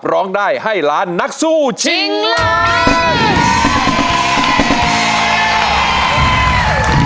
ร้องได้ให้ล้านนักสู้ชิงล้าน